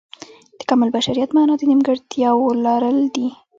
د کامل بشریت معنا د نیمګړتیاو لرل دي.